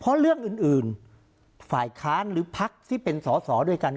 เพราะเรื่องอื่นฝ่ายค้านหรือพักที่เป็นสอสอด้วยกัน